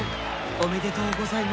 おめでとうございます。